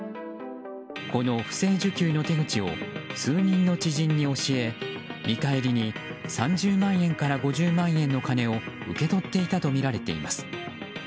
この不正受給の手口を数人の知人に教え見返りに３０万円から５０万円の金を受け取っていたとみられています。